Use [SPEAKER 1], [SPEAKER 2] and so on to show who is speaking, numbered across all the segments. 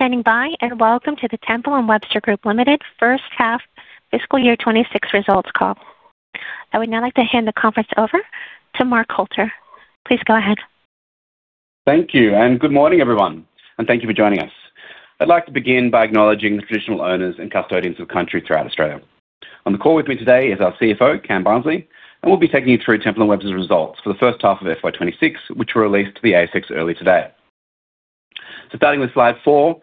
[SPEAKER 1] Thank you for standing by, and welcome to the Temple & Webster Group Limited First Half Fiscal Year 2026 Results Call. I would now like to hand the conference over to Mark Coulter. Please go ahead.
[SPEAKER 2] Thank you and good morning, everyone, and thank you for joining us. I'd like to begin by acknowledging the traditional owners and custodians of the country throughout Australia. On the call with me today is our CFO, Cam Barnsley, and we'll be taking you through Temple & Webster's results for the first half of FY26, which were released to the ASX early today. Starting with slide 4,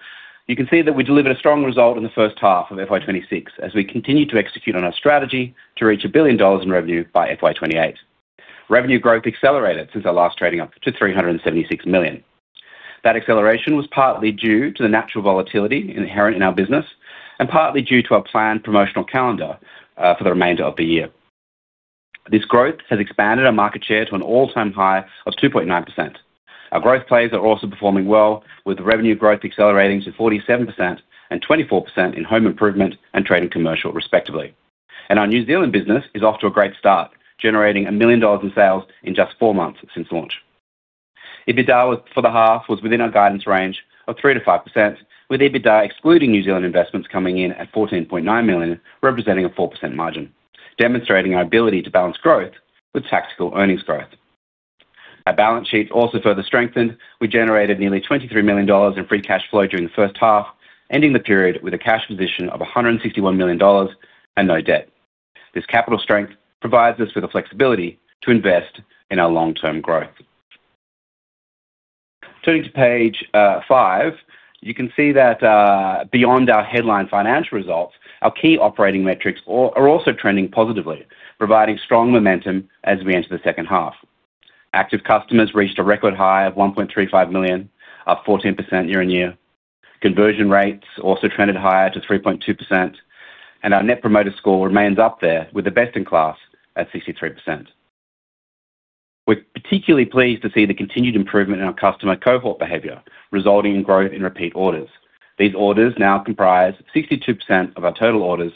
[SPEAKER 2] you can see that we delivered a strong result in the first half of FY26 as we continue to execute on our strategy to reach 1 billion dollars in revenue by FY28. Revenue growth accelerated since our last trading up to 376 million. That acceleration was partly due to the natural volatility inherent in our business and partly due to our planned promotional calendar for the remainder of the year. This growth has expanded our market share to an all-time high of 2.9%. Our growth players are also performing well, with revenue growth accelerating to 47% and 24% in Home Improvement and Trade & Commercial, respectively. Our New Zealand business is off to a great start, generating 1 million dollars in sales in just four months since launch. EBITDA for the half was within our guidance range of 3%-5%, with EBITDA excluding New Zealand investments coming in at 14.9 million, representing a 4% margin, demonstrating our ability to balance growth with tactical earnings growth. Our balance sheet also further strengthened. We generated nearly 23 million dollars in free cash flow during the first half, ending the period with a cash position of 161 million dollars and no debt. This capital strength provides us with the flexibility to invest in our long-term growth. Turning to page five, you can see that beyond our headline financial results, our key operating metrics are also trending positively, providing strong momentum as we enter the second half. Active customers reached a record high of 1.35 million, up 14% year-over-year. Conversion rates also trended higher to 3.2%, and our Net Promoter Score remains up there, with the best-in-class at 63. We're particularly pleased to see the continued improvement in our customer cohort behavior, resulting in growth in repeat orders. These orders now comprise 62% of our total orders,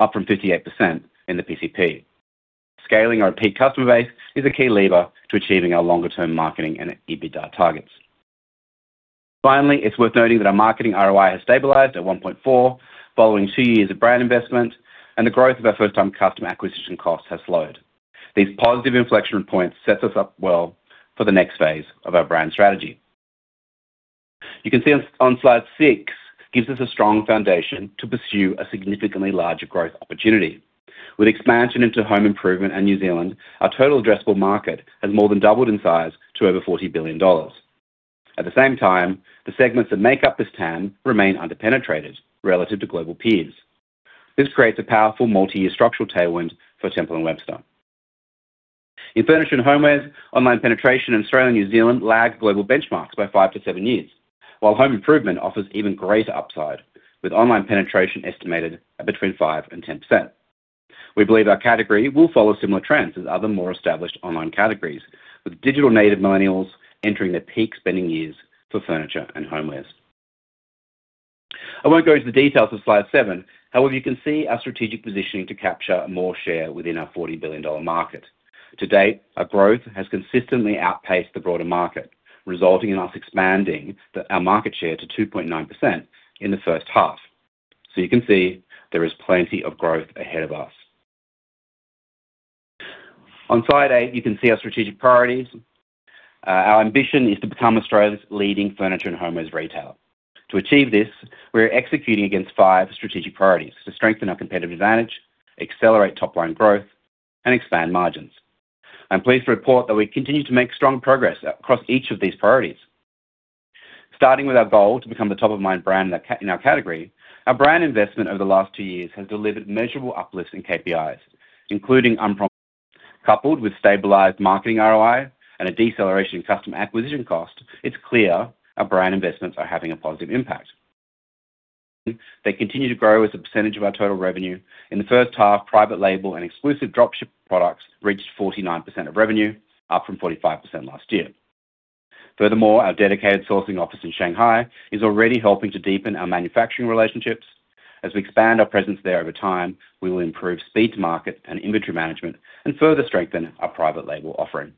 [SPEAKER 2] up from 58% in the PCP. Scaling our repeat customer base is a key lever to achieving our longer-term marketing and EBITDA targets. Finally, it's worth noting that our marketing ROI has stabilized at 1.4x following two years of brand investment, and the growth of our first-time customer acquisition costs has slowed. These positive inflection points set us up well for the next phase of our brand strategy. You can see on slide 6, it gives us a strong foundation to pursue a significantly larger growth opportunity. With expansion into Home Improvement and New Zealand, our total addressable market has more than doubled in size to over 40 billion dollars. At the same time, the segments that make up this TAM remain underpenetrated relative to global peers. This creates a powerful multi-year structural tailwind for Temple & Webster. In Furniture and Homewares, online penetration in Australia and New Zealand lag global benchmarks by 5-7 years, while Home Improvement offers even greater upside, with online penetration estimated at between 5%-10%. We believe our category will follow similar trends as other, more established online categories, with digital native millennials entering their peak spending years for Furniture and Homewares. I won't go into the details of slide seven. However, you can see our strategic positioning to capture more share within our 40 billion dollar market. To date, our growth has consistently outpaced the broader market, resulting in us expanding our market share to 2.9% in the first half. So you can see there is plenty of growth ahead of us. On slide eight, you can see our strategic priorities. Our ambition is to become Australia's leading Furniture and Homewares retailer. To achieve this, we're executing against five strategic priorities to strengthen our competitive advantage, accelerate top-line growth, and expand margins. I'm pleased to report that we continue to make strong progress across each of these priorities. Starting with our goal to become the top-of-mind brand in our category, our brand investment over the last two years has delivered measurable uplifts in KPIs, including NPS scores. Coupled with stabilized marketing ROI and a deceleration in customer acquisition costs, it's clear our brand investments are having a positive impact. They continue to grow as a percentage of our total revenue. In the first half, Private Label and exclusive dropship products reached 49% of revenue, up from 45% last year. Furthermore, our dedicated sourcing office in Shanghai is already helping to deepen our manufacturing relationships. As we expand our presence there over time, we will improve speed to market and inventory management and further strengthen our Private Label offering.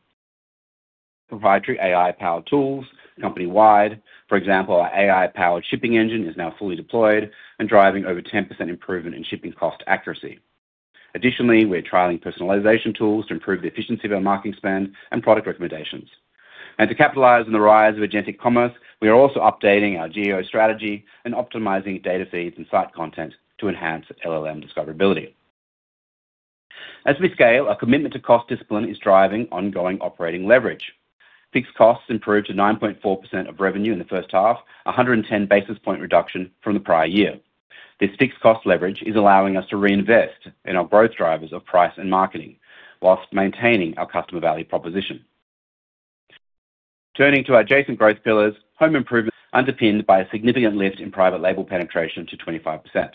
[SPEAKER 2] Proprietary AI-powered tools company-wide. For example, our AI-powered shipping engine is now fully deployed and driving over 10% improvement in shipping cost accuracy. Additionally, we're trialing personalization tools to improve the efficiency of our marketing spend and product recommendations. To capitalize on the rise of agentic commerce, we are also updating our SEO strategy and optimizing data feeds and site content to enhance LLM discoverability. As we scale, our commitment to cost discipline is driving ongoing operating leverage. Fixed costs improved to 9.4% of revenue in the first half, a 110 basis point reduction from the prior year. This fixed cost leverage is allowing us to reinvest in our growth drivers of price and marketing while maintaining our customer value proposition. Turning to adjacent growth pillars, Home Improvement is underpinned by a significant lift in Private Label penetration to 25%.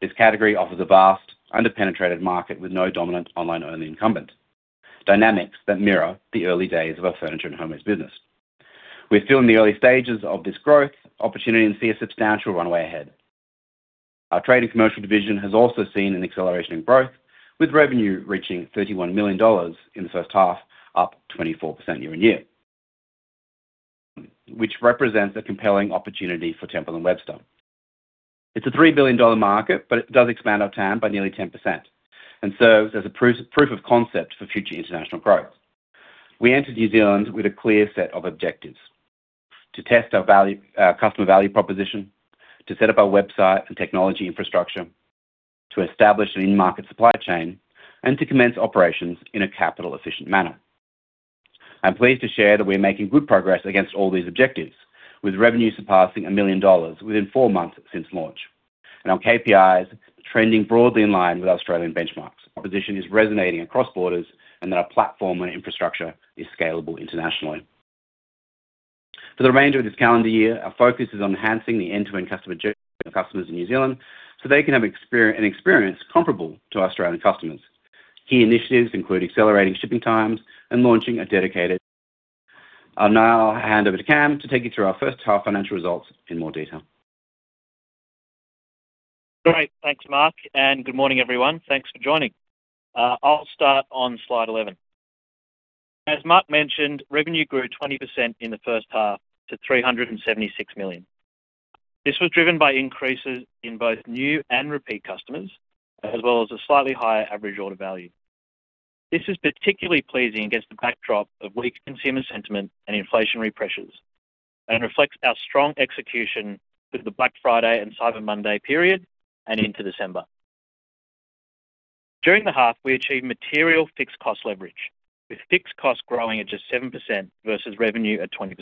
[SPEAKER 2] This category offers a vast underpenetrated market with no dominant online-only incumbent, dynamics that mirror the early days of our Furniture and Homewares business. We're still in the early stages of this growth opportunity and see a substantial runway ahead. Our Trade & Commercial division has also seen an acceleration in growth, with revenue reaching 31 million dollars in the first half, up 24% year-over-year, which represents a compelling opportunity for Temple & Webster. It's a 3 billion dollar market, but it does expand our TAM by nearly 10% and serves as a proof of concept for future international growth. We entered New Zealand with a clear set of objectives: to test our customer value proposition, to set up our website and technology infrastructure, to establish an in-market supply chain, and to commence operations in a capital-efficient manner. I'm pleased to share that we're making good progress against all these objectives, with revenue surpassing 1 million dollars within four months since launch and our KPIs trending broadly in line with Australian benchmarks. The proposition is resonating across borders and that our platform and infrastructure is scalable internationally. For the remainder of this calendar year, our focus is on enhancing the end-to-end customer journey of customers in New Zealand so they can have an experience comparable to Australian customers. Key initiatives include accelerating shipping times and launching a dedicated. I'll now hand over to Cam to take you through our first half financial results in more detail.
[SPEAKER 3] Great. Thanks, Mark, and good morning, everyone. Thanks for joining. I'll start on slide 11. As Mark mentioned, revenue grew 20% in the first half to 376 million. This was driven by increases in both new and repeat customers, as well as a slightly higher average order value. This is particularly pleasing against the backdrop of weak consumer sentiment and inflationary pressures and reflects our strong execution through the Black Friday and Cyber Monday period and into December. During the half, we achieved material fixed cost leverage, with fixed costs growing at just 7% versus revenue at 20%.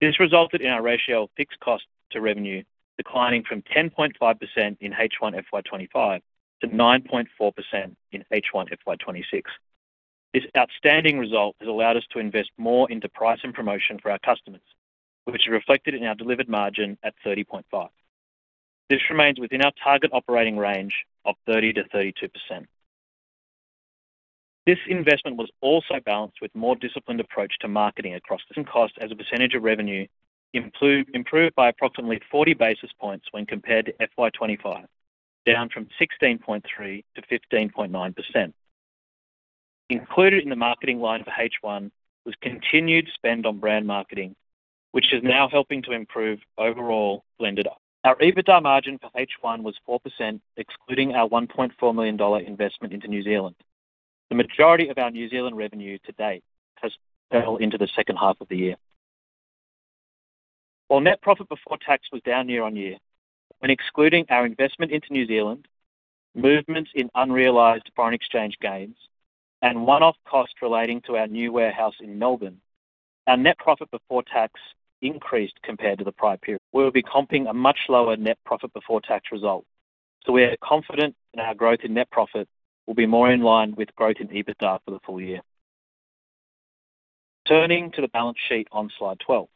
[SPEAKER 3] This resulted in our ratio of fixed costs to revenue declining from 10.5% in H1 FY25 to 9.4% in H1 FY26. This outstanding result has allowed us to invest more into price and promotion for our customers, which is reflected in our delivered margin at 30.5%. This remains within our target operating range of 30%-32%. This investment was also balanced with a more disciplined approach to marketing costs as a percentage of revenue improved by approximately 40 basis points when compared to FY25, down from 16.3%-15.9%. Included in the marketing line for H1 was continued spend on brand marketing, which is now helping to improve overall blended our EBITDA margin for H1 was 4%, excluding our 1.4 million dollar investment into New Zealand. The majority of our New Zealand revenue to date has fallen into the second half of the year. While net profit before tax was down year-on-year, when excluding our investment into New Zealand, movements in unrealized foreign exchange gains, and one-off costs relating to our new warehouse in Melbourne, our net profit before tax increased compared to the prior period. We'll be comping a much lower net profit before tax result. So we are confident in our growth in net profit will be more in line with growth in EBITDA for the full year. Turning to the balance sheet on slide 12.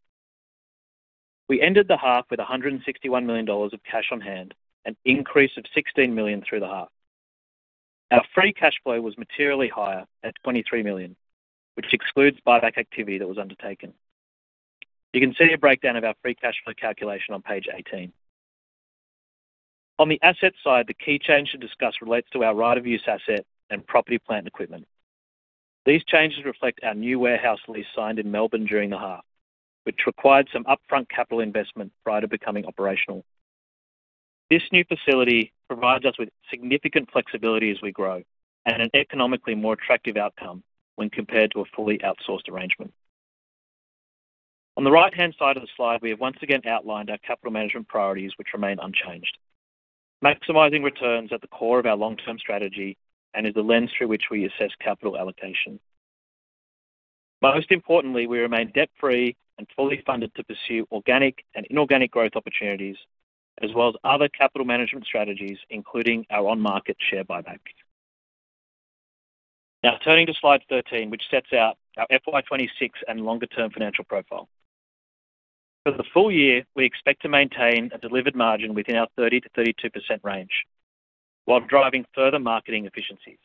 [SPEAKER 3] We ended the half with 161 million dollars of cash on hand, an increase of 16 million through the half. Our free cash flow was materially higher at 23 million, which excludes buyback activity that was undertaken. You can see a breakdown of our free cash flow calculation on page 18. On the asset side, the key change to discuss relates to our right-of-use asset and property, plant and equipment. These changes reflect our new warehouse lease signed in Melbourne during the half, which required some upfront capital investment prior to becoming operational. This new facility provides us with significant flexibility as we grow and an economically more attractive outcome when compared to a fully outsourced arrangement. On the right-hand side of the slide, we have once again outlined our capital management priorities, which remain unchanged, maximizing returns at the core of our long-term strategy and is the lens through which we assess capital allocation. Most importantly, we remain debt-free and fully funded to pursue organic and inorganic growth opportunities, as well as other capital management strategies, including our on-market share buyback. Now, turning to slide 13, which sets out our FY26 and longer-term financial profile. For the full year, we expect to maintain a delivered margin within our 30%-32% range while driving further marketing efficiencies.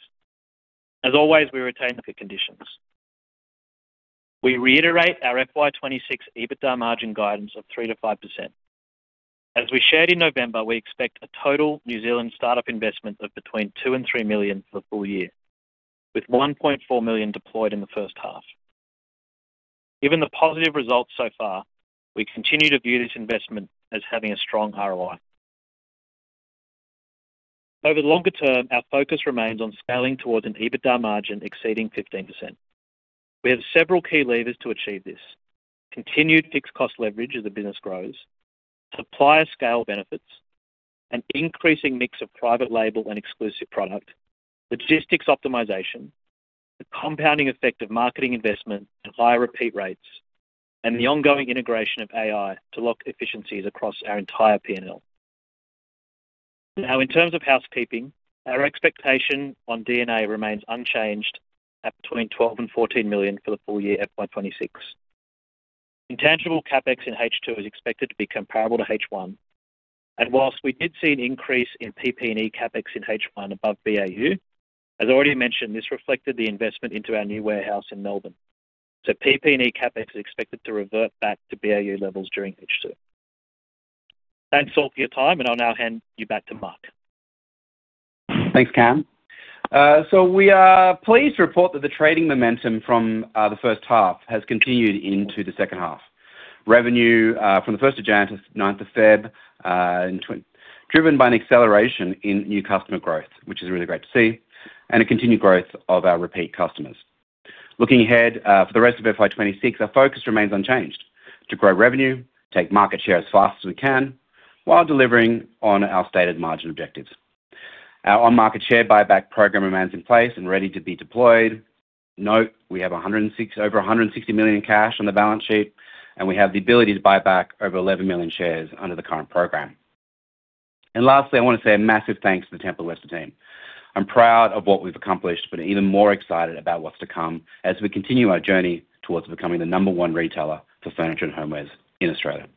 [SPEAKER 3] As always, we retain the conditions. We reiterate our FY26 EBITDA margin guidance of 3%-5%. As we shared in November, we expect a total New Zealand startup investment of between 2 million and 3 million for the full year, with 1.4 million deployed in the first half. Given the positive results so far, we continue to view this investment as having a strong ROI. Over the longer term, our focus remains on scaling towards an EBITDA margin exceeding 15%. We have several key levers to achieve this: continued fixed cost leverage as the business grows, supplier scale benefits, an increasing mix of Private Label and exclusive product, logistics optimization, the compounding effect of marketing investment and higher repeat rates, and the ongoing integration of AI to lock efficiencies across our entire P&L. Now, in terms of housekeeping, our expectation on D&A remains unchanged at between 12 million and 14 million for the full year FY26. Intangible CapEx in H2 is expected to be comparable to H1. While we did see an increase in PP&E CapEx in H1 above BAU, as already mentioned, this reflected the investment into our new warehouse in Melbourne. PP&E CapEx is expected to revert back to BAU levels during H2. Thanks all for your time, and I'll now hand you back to Mark.
[SPEAKER 2] Thanks, Cam. So we are pleased to report that the trading momentum from the first half has continued into the second half, revenue from the 1st to 9th of February, driven by an acceleration in new customer growth, which is really great to see, and a continued growth of our repeat customers. Looking ahead for the rest of FY26, our focus remains unchanged to grow revenue, take market share as fast as we can, while delivering on our stated margin objectives. Our on-market share buyback program remains in place and ready to be deployed. Note, we have over 160 million in cash on the balance sheet, and we have the ability to buy back over 11 million shares under the current program. And lastly, I want to say a massive thanks to the Temple & Webster team. I'm proud of what we've accomplished, but even more excited about what's to come as we continue our journey towards becoming the number one retailer for Furniture and Homewares in Australia.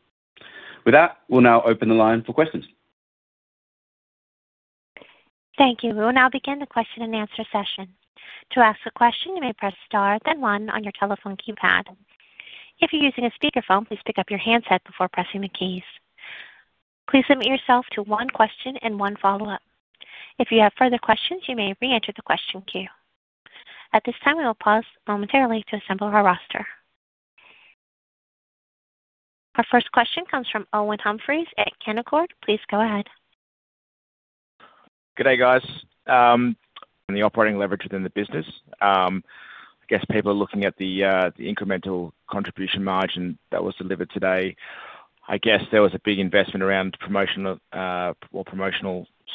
[SPEAKER 2] With that, we'll now open the line for questions.
[SPEAKER 1] Thank you. We will now begin the question-and-answer session. To ask a question, you may press star, then one on your telephone keypad. If you're using a speakerphone, please pick up your handset before pressing the keys. Please limit yourself to one question and one follow-up. If you have further questions, you may re-enter the question queue. At this time, we will pause momentarily to assemble our roster. Our first question comes from Owen Humphries at Canaccord. Please go ahead.
[SPEAKER 4] G'day, guys. The operating leverage within the business. I guess people are looking at the incremental contribution margin that was delivered today. I guess there was a big investment around promotional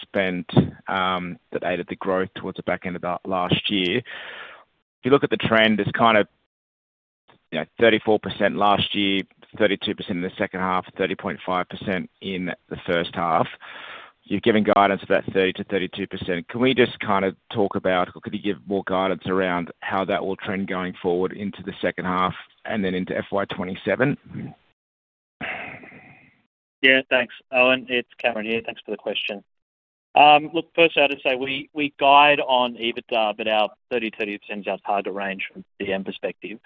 [SPEAKER 4] spend that aided the growth towards the back end of last year. If you look at the trend, it's kind of 34% last year, 32% in the second half, 30.5% in the first half. You've given guidance of that 30%-32%. Can we just kind of talk about could you give more guidance around how that will trend going forward into the second half and then into FY27?
[SPEAKER 3] Yeah, thanks. Owen, it's Cameron here. Thanks for the question. Look, first, I'd just say we guide on EBITDA, but our 30%-32% is our target range from the end perspective.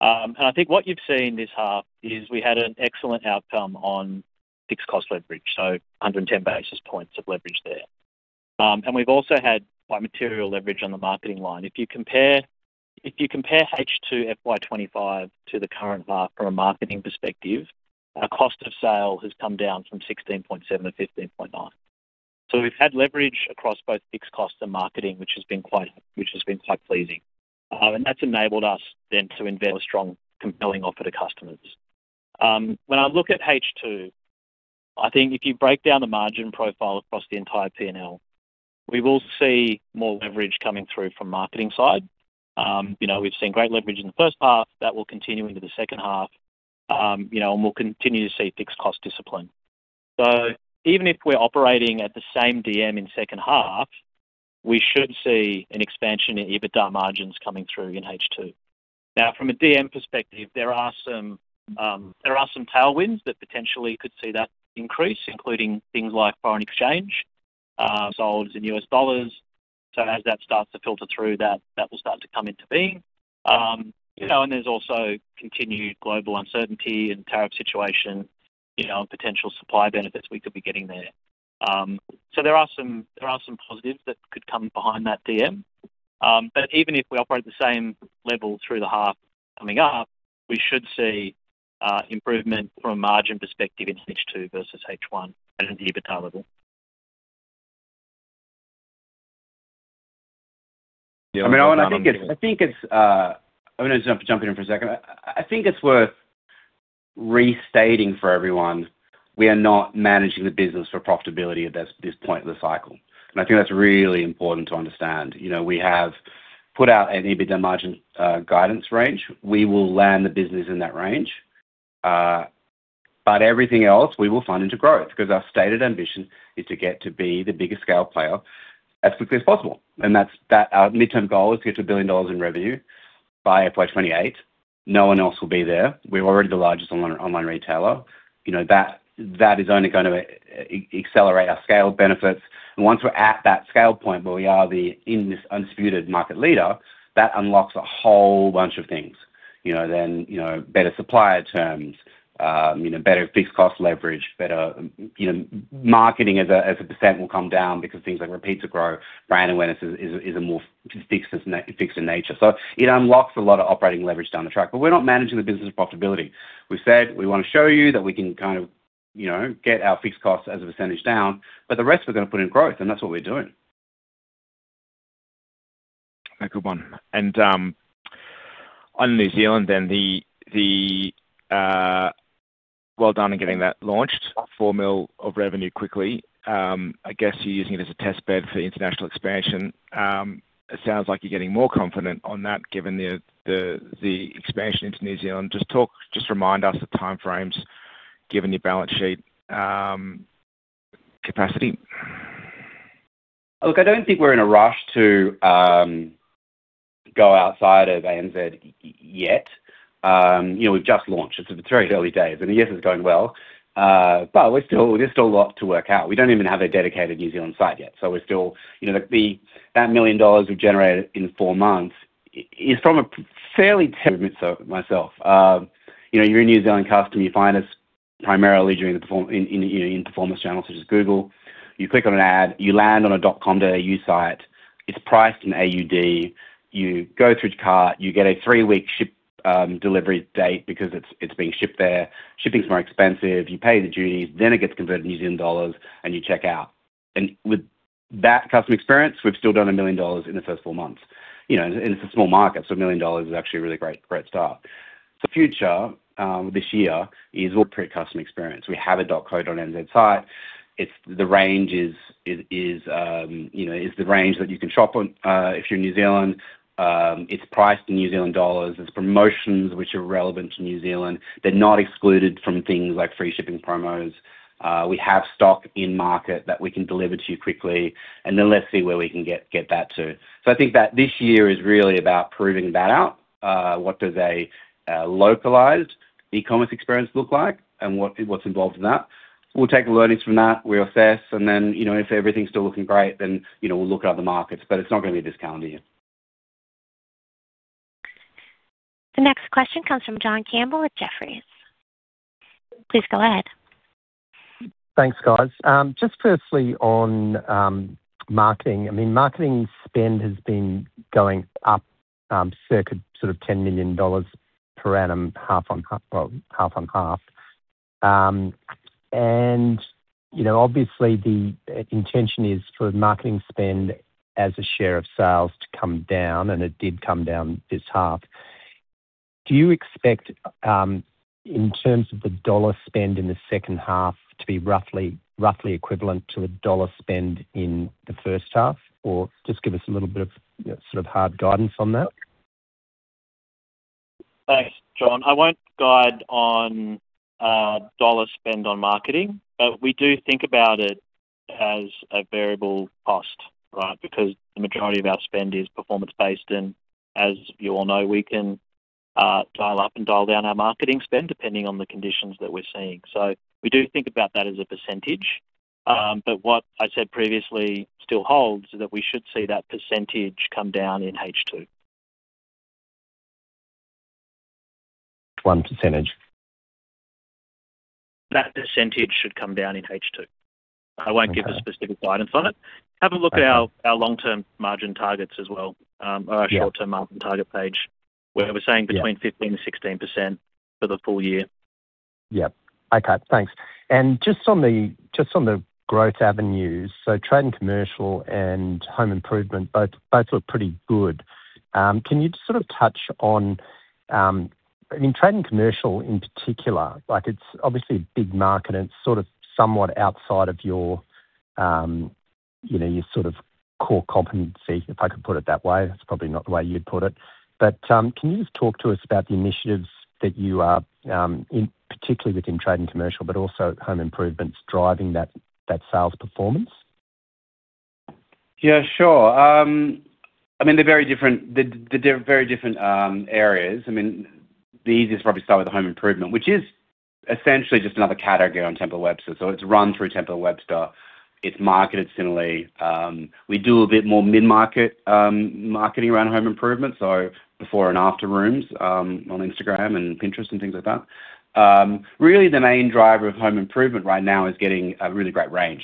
[SPEAKER 3] And I think what you've seen this half is we had an excellent outcome on fixed cost leverage, so 110 basis points of leverage there. And we've also had quite material leverage on the marketing line. If you compare H2 FY25 to the current half from a marketing perspective, our cost of sale has come down from 16.7%-15.9%. So we've had leverage across both fixed costs and marketing, which has been quite pleasing. And that's enabled us then to invest in a strong, compelling offer to customers. When I look at H2, I think if you break down the margin profile across the entire P&L, we will see more leverage coming through from the marketing side. We've seen great leverage in the first half. That will continue into the second half, and we'll continue to see fixed cost discipline. So even if we're operating at the same DM in the second half, we should see an expansion in EBITDA margins coming through in H2. Now, from a DM perspective, there are some tailwinds that potentially could see that increase, including things like foreign exchange. Sales in US dollars. So as that starts to filter through, that will start to come into being. And there's also continued global uncertainty and tariff situation and potential supply benefits we could be getting there. So there are some positives that could come behind that DM. But even if we operate at the same level through the half coming up, we should see improvement from a margin perspective in H2 versus H1 and the EBITDA level.
[SPEAKER 2] I mean, Owen, I'm going to jump in for a second. I think it's worth restating for everyone. We are not managing the business for profitability at this point of the cycle. I think that's really important to understand. We have put out an EBITDA margin guidance range. We will land the business in that range. But everything else, we will fund into growth because our stated ambition is to get to be the biggest scale player as quickly as possible. Our midterm goal is to get to 1 billion dollars in revenue by FY28. No one else will be there. We're already the largest online retailer. That is only going to accelerate our scale benefits. Once we're at that scale point where we are the undisputed market leader, that unlocks a whole bunch of things: then better supplier terms, better fixed cost leverage, better marketing as a percent will come down because things like repeats will grow. Brand awareness is a more fixed in nature. So it unlocks a lot of operating leverage down the track. But we're not managing the business for profitability. We said we want to show you that we can kind of get our fixed costs as a percentage down, but the rest we're going to put in growth. And that's what we're doing. A good one. And on New Zealand then, well done on getting that launched, 4 million of revenue quickly. I guess you're using it as a testbed for international expansion. It sounds like you're getting more confident on that given the expansion into New Zealand.
[SPEAKER 4] Just remind us the timeframes given your balance sheet capacity?
[SPEAKER 2] Look, I don't think we're in a rush to go outside of ANZ yet. We've just launched. It's very early days. And yes, it's going well. But there's still a lot to work out. We don't even have a dedicated New Zealand site yet. So that 1 million dollars we've generated in four months is from a fairly ad hoc setup myself. You're a New Zealand customer. You find us primarily through performance channels such as Google. You click on an ad. You land on a .com.au site. It's priced in AUD. You go through to cart. You get a three-week ship delivery date because it's being shipped there. Shipping's more expensive. You pay the duties. Then it gets converted to New Zealand dollars, and you check out. And with that customer experience, we've still done 1 million dollars in the first four months. And it's a small market. So 1 million dollars is actually a really great start. So. For this year is. Pure customer experience. We have a .co.nz site. The range is the range that you can shop on if you're in New Zealand. It's priced in New Zealand dollars. It's promotions which are relevant to New Zealand. They're not excluded from things like free shipping promos. We have stock in market that we can deliver to you quickly. And then let's see where we can get that to. So I think that this year is really about proving that out, what does a localized e-commerce experience look like, and what's involved in that. We'll take the learnings from that, we assess. And then if everything's still looking great, then we'll look at other markets. But it's not going to be this calendar year.
[SPEAKER 1] The next question comes from John Campbell at Jefferies. Please go ahead.
[SPEAKER 5] Thanks, guys. Just firstly on marketing, I mean, marketing spend has been going up, circa sort of 10 million dollars per annum, half on half. Well, half on half. And obviously, the intention is for marketing spend as a share of sales to come down. And it did come down this half. Do you expect, in terms of the dollar spend in the second half, to be roughly equivalent to a dollar spend in the first half? Or just give us a little bit of sort of hard guidance on that.
[SPEAKER 3] Thanks, John. I won't guide on dollar spend on marketing. But we do think about it as a variable cost, right, because the majority of our spend is performance-based. And as you all know, we can dial up and dial down our marketing spend depending on the conditions that we're seeing. So we do think about that as a percentage. But what I said previously still holds is that we should see that percentage come down in H2.
[SPEAKER 5] Which 1%?
[SPEAKER 3] That percentage should come down in H2. I won't give a specific guidance on it. Have a look at our long-term margin targets as well, or our short-term margin target page, where we're saying between 15% and 16% for the full year.
[SPEAKER 5] Yep. Okay. Thanks. And just on the growth avenues, so Trade and Commercial and Home Improvement, both look pretty good. Can you just sort of touch on, I mean, Trade and Commercial in particular, it's obviously a big market, and it's sort of somewhat outside of your sort of core competency, if I could put it that way. That's probably not the way you'd put it. But can you just talk to us about the initiatives that you are, particularly within Trade and Commercial, but also Home Improvements, driving that sales performance?
[SPEAKER 2] Yeah, sure. I mean, they're very different areas. I mean, the easiest is probably to start with the Home Improvement, which is essentially just another category on Temple & Webster. So it's run through Temple & Webster. It's marketed similarly. We do a bit more mid-market marketing around Home Improvement, so before and after rooms on Instagram and Pinterest and things like that. Really, the main driver of Home Improvement right now is getting a really great range.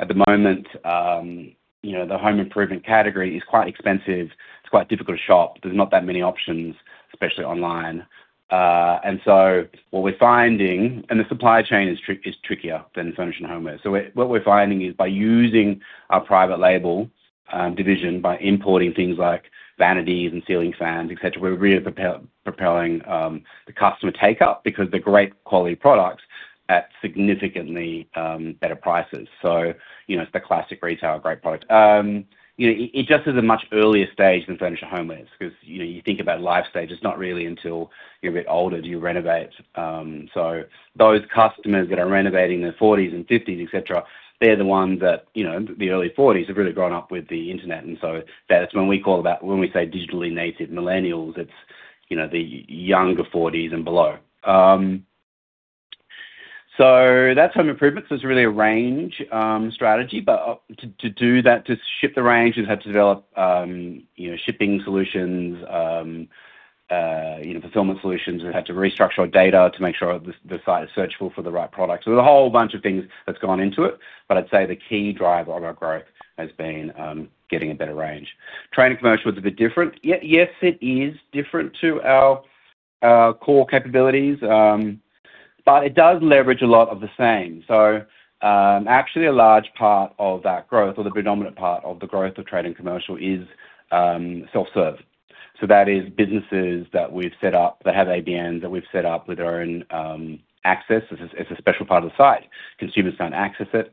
[SPEAKER 2] At the moment, the Home Improvement category is quite expensive. It's quite difficult to shop. There's not that many options, especially online. And so what we're finding and the supply chain is trickier than Furniture and Homewares. So what we're finding is by using our Private Label division, by importing things like vanities and ceiling fans, etc., we're really propelling the customer take-up because they're great quality products at significantly better prices. So it's the classic retailer, great product. It just is a much earlier stage than Furniture and Homewares because you think about life stage. It's not really until you're a bit older do you renovate. So those customers that are renovating their 40s and 50s, etc., they're the ones that the early 40s have really grown up with the internet. And so that's when we call about when we say digitally native millennials, it's the younger 40s and below. So that's Home Improvement. So it's really a range strategy. But to do that, to shift the range, we've had to develop shipping solutions, fulfillment solutions. We've had to restructure our data to make sure the site is searchable for the right products. So there's a whole bunch of things that's gone into it. But I'd say the key driver of our growth has been getting a better range. Trade and Commercial is a bit different. Yes, it is different to our core capabilities. But it does leverage a lot of the same. So actually, a large part of that growth, or the predominant part of the growth of Trade and Commercial, is self-serve. So that is businesses that we've set up that have ABNs that we've set up with their own access. It's a special part of the site. Consumers can't access it.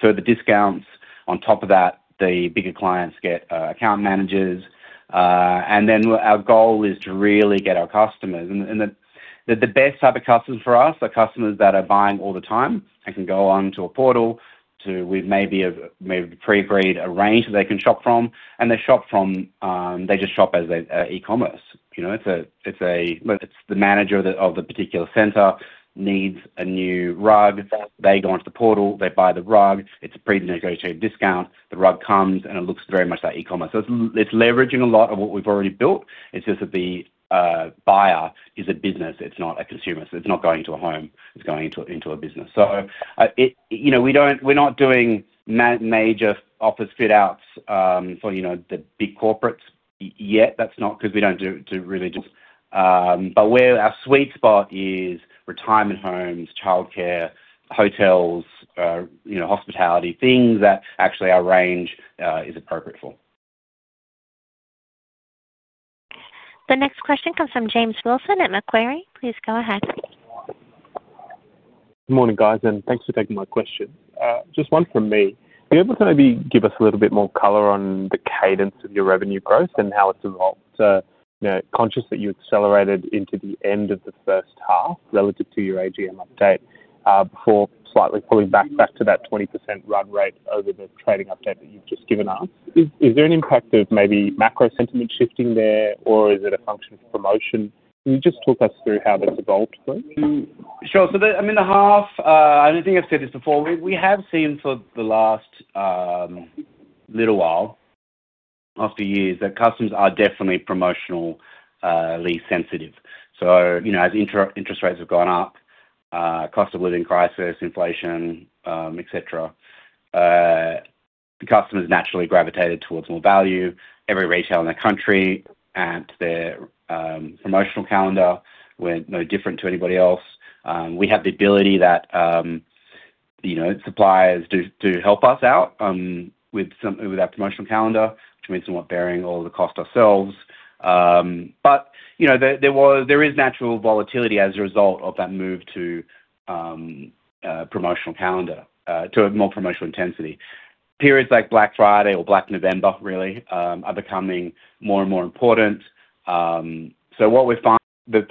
[SPEAKER 2] So the discounts on top of that, the bigger clients get account managers. And then our goal is to really get our customers. And the best type of customers for us are customers that are buying all the time and can go onto a portal to we've maybe pre-agreed a range that they can shop from. And they shop from they just shop as e-commerce. It's a. It's the manager of the particular center needs a new rug. They go onto the portal. They buy the rug. It's a pre-negotiated discount. The rug comes, and it looks very much like e-commerce. So it's leveraging a lot of what we've already built. It's just that the buyer is a business. It's not a consumer. So it's not going into a home. It's going into a business. So we're not doing major office fit-outs for the big corporates yet. That's not because we don't really. But where our sweet spot is retirement homes, childcare, hotels, hospitality, things that actually our range is appropriate for.
[SPEAKER 1] The next question comes from James Wilson at Macquarie. Please go ahead.
[SPEAKER 6] Good morning, guys. Thanks for taking my question. Just one from me. Are you able to maybe give us a little bit more color on the cadence of your revenue growth and how it's evolved? Conscious that you accelerated into the end of the first half relative to your AGM update before slightly pulling back to that 20% run rate over the trading update that you've just given us, is there an impact of maybe macro sentiment shifting there, or is it a function of promotion? Can you just talk us through how that's evolved, please?
[SPEAKER 2] Sure. So I mean, the half I don't think I've said this before. We have seen for the last little while after years that customers are definitely promotionally sensitive. So as interest rates have gone up, cost of living crisis, inflation, etc., the customers naturally gravitated towards more value. Every retailer in the country and their promotional calendar went no different to anybody else. We have the ability that suppliers do help us out with that promotional calendar, which means somewhat bearing all the cost ourselves. But there is natural volatility as a result of that move to promotional calendar, to a more promotional intensity. Periods like Black Friday or Black November, really, are becoming more and more important. The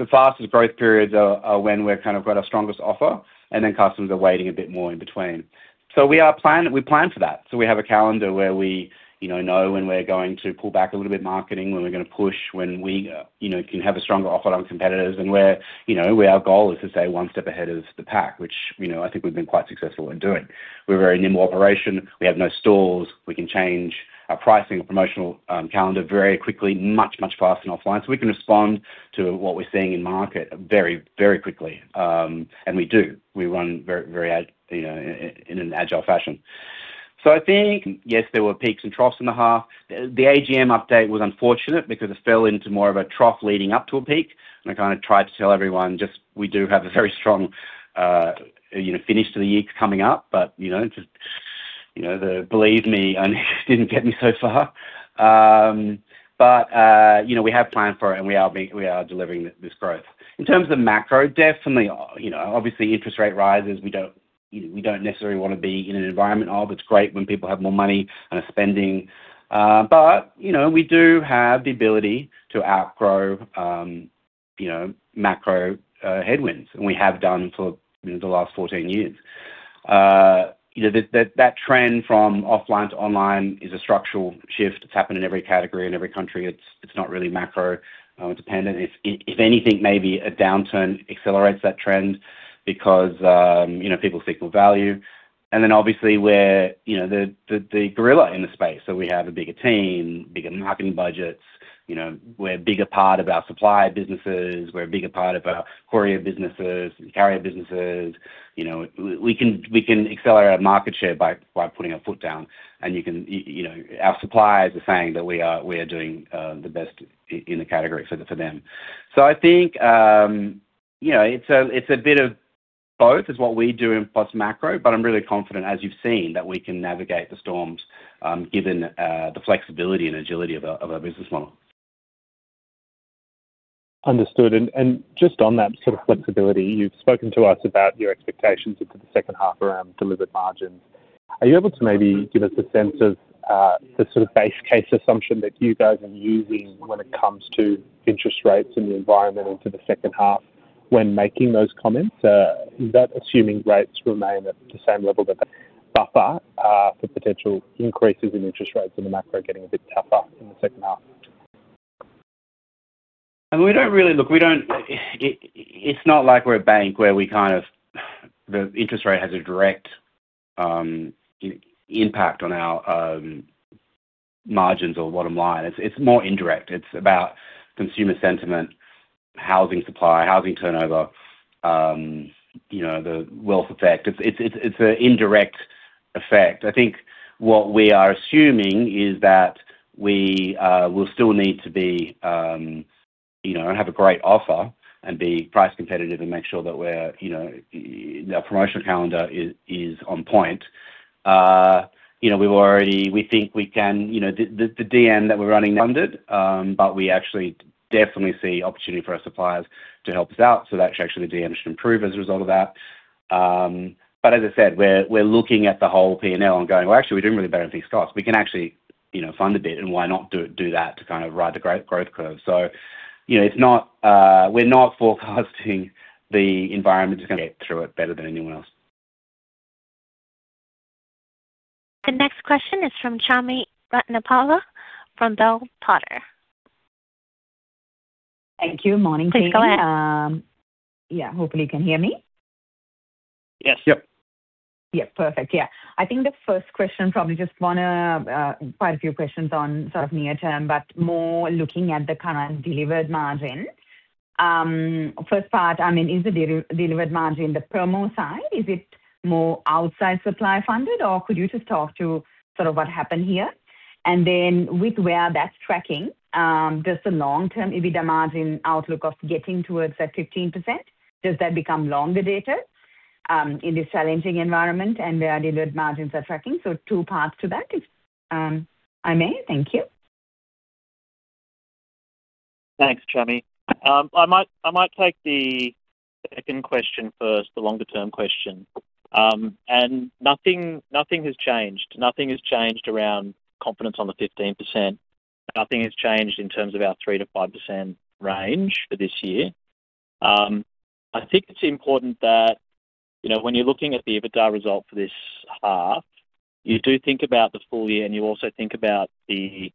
[SPEAKER 2] fastest growth periods are when we've kind of got our strongest offer, and then customers are waiting a bit more in between. So we plan for that. So we have a calendar where we know when we're going to pull back a little bit marketing, when we're going to push, when we can have a stronger offer on competitors, and where our goal is to stay one step ahead of the pack, which I think we've been quite successful in doing. We're a very nimble operation. We have no stores. We can change our pricing or promotional calendar very quickly, much, much faster than offline. So we can respond to what we're seeing in market very, very quickly. And we do. We run very, very in an agile fashion. So I think. Yes, there were peaks and troughs in the half. The AGM update was unfortunate because it fell into more of a trough leading up to a peak. And I kind of tried to tell everyone just we do have a very strong finish to the year coming up. But just believe me, it didn't get me so far. But we have a plan for it, and we are delivering this growth. In terms of macro, definitely, obviously, interest rate rises. We don't necessarily want to be in an environment where it's great when people have more money and are spending. But we do have the ability to outgrow macro headwinds. And we have done for the last 14 years. That trend from offline to online is a structural shift. It's happened in every category, in every country. It's not really macro-dependent. If anything, maybe a downturn accelerates that trend because people seek more value. And then obviously, we're the gorilla in the space. So we have a bigger team, bigger marketing budgets. We're a bigger part of our supplier businesses. We're a bigger part of our courier businesses, carrier businesses. We can accelerate our market share by putting our foot down. Our suppliers are saying that we are doing the best in the category for them. I think it's a bit of both is what we do in post-macro. I'm really confident, as you've seen, that we can navigate the storms given the flexibility and agility of our business model.
[SPEAKER 6] Understood. Just on that sort of flexibility, you've spoken to us about your expectations into the second half around delivered margins. Are you able to maybe give us a sense of the sort of base case assumption that you guys are using when it comes to interest rates and the environment into the second half when making those comments? Is that assuming rates remain at the same level, buffer for potential increases in interest rates and the macro getting a bit tougher in the second half?
[SPEAKER 2] I mean, we don't really look, it's not like we're a bank where we kind of the interest rate has a direct impact on our margins or bottom line. It's more indirect. It's about consumer sentiment, housing supply, housing turnover, the wealth effect. It's an indirect effect. I think what we are assuming is that we will still need to be have a great offer and be price competitive and make sure that our promotional calendar is on point. We think we can the DM that we're running. Funded. But we actually definitely see opportunity for our suppliers to help us out. So actually, the DM should improve as a result of that. But as I said, we're looking at the whole P&L and going, "Well, actually, we're doing really bad on these costs. We can actually fund a bit. And why not do that to kind of ride the growth curve?" So we're not forecasting the environment is. Get through it better than anyone else.
[SPEAKER 1] The next question is from Chami Ratnapala from Bell Potter.
[SPEAKER 7] Thank you. Morning, team.
[SPEAKER 1] Please go ahead.
[SPEAKER 7] Yeah. Hopefully, you can hear me.
[SPEAKER 2] Yes.
[SPEAKER 3] Yep.
[SPEAKER 7] Yeah. Perfect. Yeah. I think the first question probably just want to quite a few questions on sort of near-term, but more looking at the current delivered margin. First part, I mean, is the delivered margin the promo side? Is it more outside supplier-funded? Or could you just talk to sort of what happened here? And then with where that's tracking, does the long-term EBITDA margin outlook of getting towards that 15%, does that become longer-dated in this challenging environment and where delivered margins are tracking? So two parts to that, if I may. Thank you.
[SPEAKER 3] Thanks, Chami. I might take the second question first, the longer-term question. Nothing has changed. Nothing has changed around confidence on the 15%. Nothing has changed in terms of our 3%-5% range for this year. I think it's important that when you're looking at the EBITDA result for this half, you do think about the full year, and you also think about the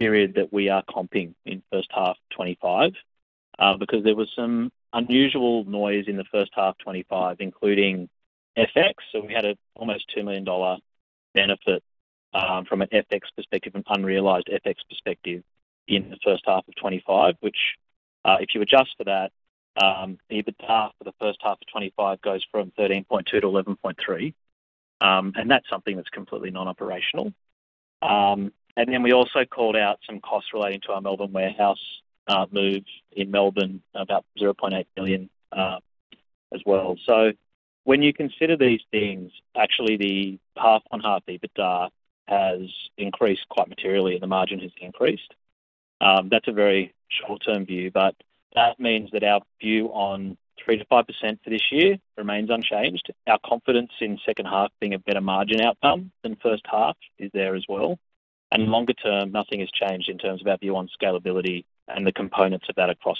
[SPEAKER 3] period that we are comping in first half 2025 because there was some unusual noise in the first half 2025, including FX. So we had an almost 2 million dollar benefit from an FX perspective, an unrealized FX perspective in the first half of 2025, which if you adjust for that, the EBITDA for the first half of 2025 goes from 13.2 to 11.3. And that's something that's completely non-operational. And then we also called out some costs relating to our Melbourne warehouse move in Melbourne about 0.8 million as well. So when you consider these things, actually, the half-on-half EBITDA has increased quite materially, and the margin has increased. That's a very short-term view. But that means that our view on 3%-5% for this year remains unchanged. Our confidence in second half being a better margin outcome than first half is there as well. And longer term, nothing has changed in terms of our view on scalability and the components of that across.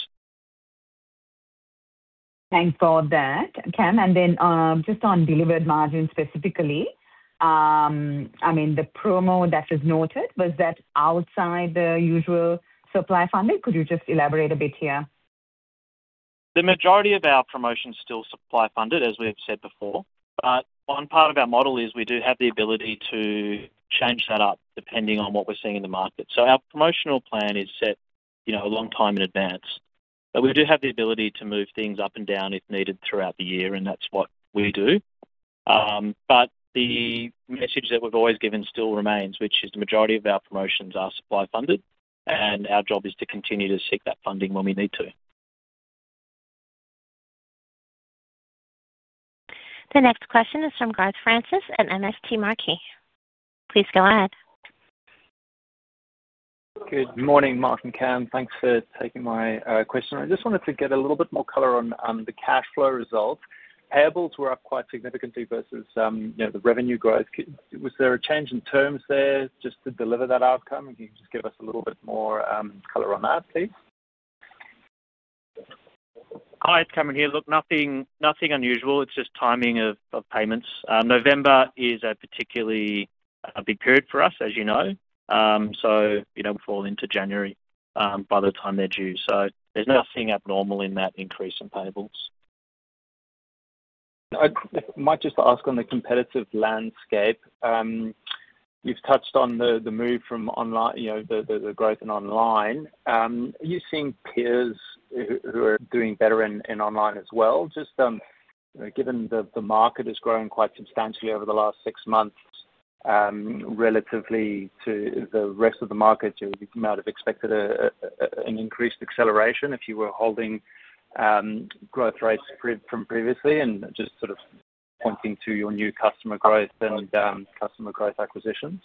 [SPEAKER 7] Thanks for that, Cam. Just on delivered margin specifically, I mean, the promo that was noted, was that outside the usual supplier-funded? Could you just elaborate a bit here?
[SPEAKER 3] The majority of our promotion is still supplier-funded, as we have said before. But one part of our model is we do have the ability to change that up depending on what we're seeing in the market. So our promotional plan is set a long time in advance. But we do have the ability to move things up and down if needed throughout the year. And that's what we do. But the message that we've always given still remains, which is the majority of our promotions are supplier-funded. And our job is to continue to seek that funding when we need to.
[SPEAKER 1] The next question is from Garth Francis at MST Marquee. Please go ahead.
[SPEAKER 8] Good morning, Mark and Cam. Thanks for taking my question. I just wanted to get a little bit more color on the cash flow results. Payables were up quite significantly versus the revenue growth. Was there a change in terms there just to deliver that outcome? If you can just give us a little bit more color on that, please.
[SPEAKER 3] Hi. It's Cameron here. Look, nothing unusual. It's just timing of payments. November is a particularly big period for us, as you know. So we fall into January by the time they're due. So there's nothing abnormal in that increase in payables.
[SPEAKER 8] I might just ask on the competitive landscape. You've touched on the move from the growth in online. Are you seeing peers who are doing better in online as well? Just given the market has grown quite substantially over the last six months relatively to the rest of the market, you might have expected an increased acceleration if you were holding growth rates from previously and just sort of pointing to your new customer growth and customer growth acquisitions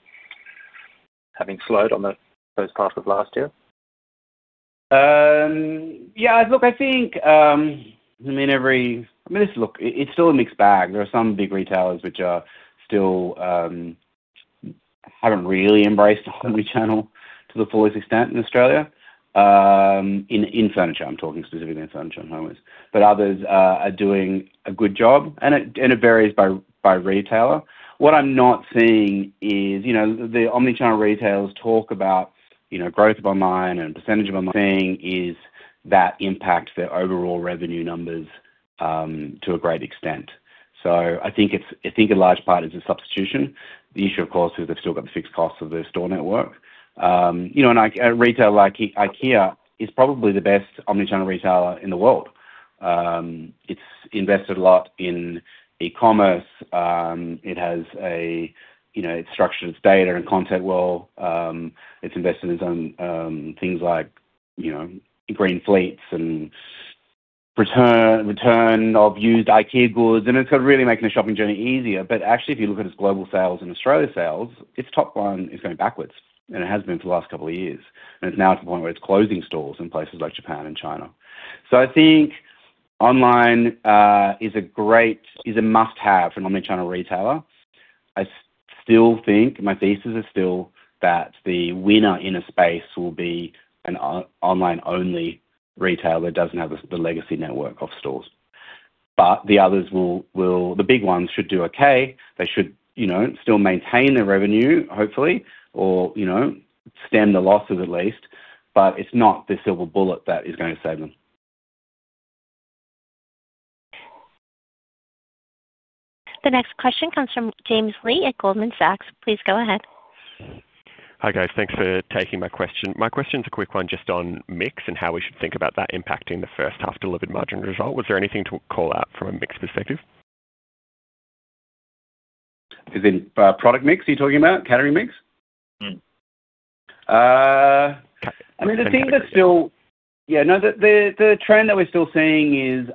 [SPEAKER 8] having slowed on the first half of last year.
[SPEAKER 2] Yeah. Look, I think I mean, every I mean, look, it's still a mixed bag. There are some big retailers which haven't really embraced omnichannel to the fullest extent in Australia. In furniture, I'm talking specifically in Furniture and Homewares. But others are doing a good job. And it varies by retailer. What I'm not seeing is the omnichannel retailers talk about growth of online and percentage of. Seeing is that impact their overall revenue numbers to a great extent. So I think a large part is a substitution. The issue, of course, is they've still got the fixed costs of their store network. And a retailer like IKEA is probably the best omnichannel retailer in the world. It's invested a lot in e-commerce. It has a it structures data and content well. It's invested in some things like green fleets and return of used IKEA goods.
[SPEAKER 3] And it's really making the shopping journey easier. But actually, if you look at its global sales and Australia sales, its top line is going backwards. And it has been for the last couple of years. And it's now to the point where it's closing stores in places like Japan and China. So I think online is a must-have for an omnichannel retailer. I still think my thesis is still that the winner in a space will be an online-only retailer that doesn't have the legacy network of stores. But the others will the big ones should do okay. They should still maintain their revenue, hopefully, or stem the losses at least. But it's not the silver bullet that is going to save them.
[SPEAKER 1] The next question comes from James Leigh at Goldman Sachs. Please go ahead.
[SPEAKER 9] Hi, guys. Thanks for taking my question. My question's a quick one just on mix and how we should think about that impacting the first half delivered margin result. Was there anything to call out from a mix perspective? Is it product mix you're talking about, category mix?
[SPEAKER 3] I mean, the thing that's still. No, the trend that we're still seeing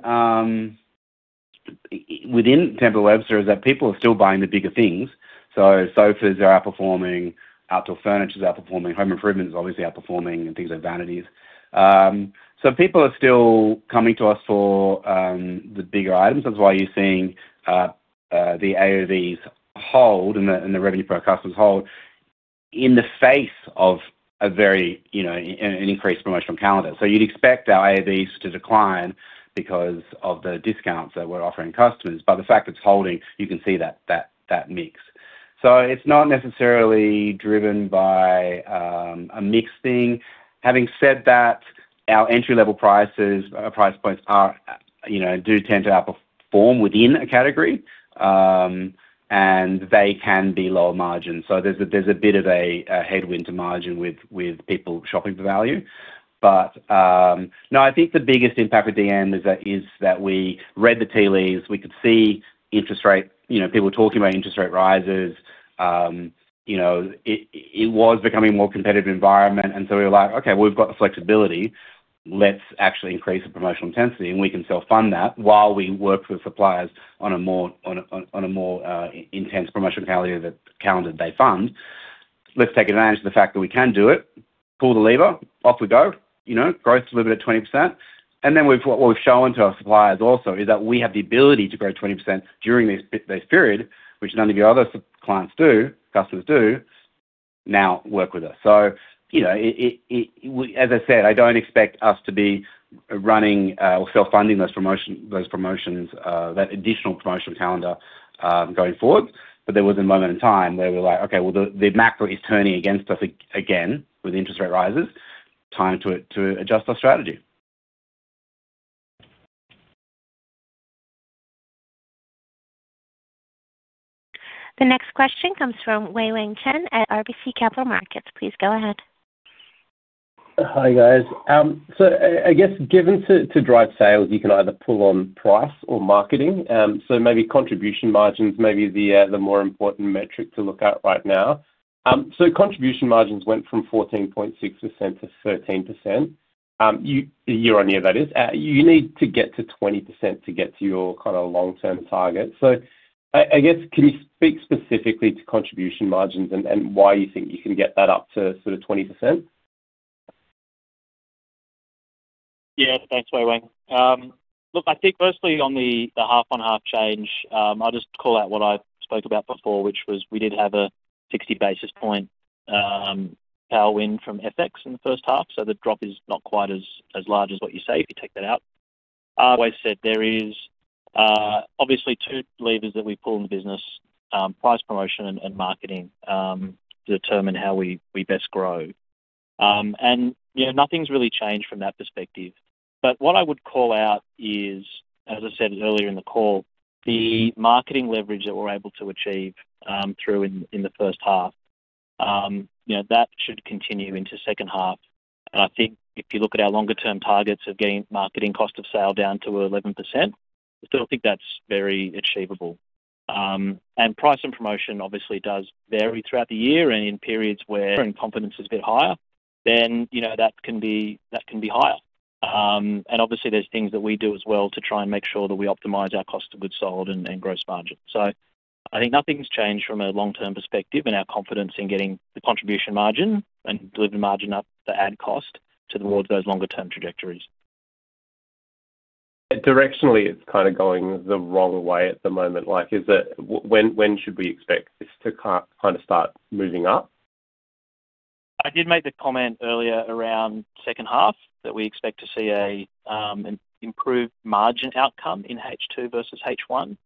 [SPEAKER 3] within Temple & Webster is that people are still buying the bigger things. So sofas are outperforming. Outdoor furniture's outperforming. Home Improvement's obviously outperforming. And things like vanities. So people are still coming to us for the bigger items. That's why you're seeing the AOVs hold and the revenue per customers hold in the face of an increased promotional calendar. So you'd expect our AOVs to decline because of the discounts that we're offering customers. But the fact it's holding, you can see that mix. So it's not necessarily driven by a mix thing. Having said that, our entry-level prices or price points do tend to outperform within a category. And they can be lower margins. So there's a bit of a headwind to margin with people shopping for value. But no, I think the biggest impact with DM is that we read the tea leaves. We could see interest rate people talking about interest rate rises. It was becoming a more competitive environment. And so we were like, "Okay. We've got the flexibility. Let's actually increase the promotional intensity. And we can self-fund that while we work with suppliers on a more intense promotional calendar they fund. Let's take advantage of the fact that we can do it, pull the lever. Off we go. Growth delivered at 20%." And then what we've shown to our suppliers also is that we have the ability to grow 20% during this period, which none of your other clients do, customers do, now work with us. So as I said, I don't expect us to be running or self-funding those promotions, that additional promotional calendar going forward. But there was a moment in time where we were like, "Okay. Well, the macro is turning against us again with interest rate rises. Time to adjust our strategy.
[SPEAKER 1] The next question comes from Wei-Weng Chen at RBC Capital Markets. Please go ahead.
[SPEAKER 10] Hi, guys. So I guess given to drive sales, you can either pull on price or marketing. So maybe contribution margin's maybe the more important metric to look at right now. So contribution margins went from 14.6% to 13%. Year-on-year, that is. You need to get to 20% to get to your kind of long-term target. So I guess, can you speak specifically to contribution margins and why you think you can get that up to sort of 20%?
[SPEAKER 3] Yeah. Thanks, Wei Weng. Look, I think firstly, on the half-on-half change, I'll just call out what I spoke about before, which was we did have a 60 basis point tailwind from FX in the first half. So the drop is not quite as large as what you say if you take that out. As I said, there is obviously two levers that we pull in the business: price promotion and marketing to determine how we best grow. And nothing's really changed from that perspective. But what I would call out is, as I said earlier in the call, the marketing leverage that we're able to achieve in the first half, that should continue into second half. And I think if you look at our longer-term targets of getting marketing cost of sale down to 11%, I still think that's very achievable. Price and promotion obviously does vary throughout the year. In periods where confidence is a bit higher, then that can be higher. Obviously, there's things that we do as well to try and make sure that we optimize our cost of goods sold and gross margin. So I think nothing's changed from a long-term perspective in our confidence in getting the contribution margin and delivered margin up the ad cost towards those longer-term trajectories.
[SPEAKER 10] Directionally, it's kind of going the wrong way at the moment. When should we expect this to kind of start moving up?
[SPEAKER 3] I did make the comment earlier around second half that we expect to see an improved margin outcome in H2 versus H1.